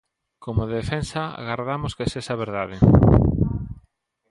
Como defensa agardamos que sexa verdade.